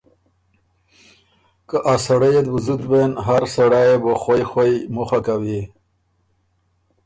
که ا سړئ ات بُو زُت بېن هر سړئ يې بو خوئ خوئ مُخه کوی۔